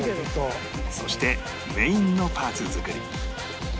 そしてメインのパーツ作り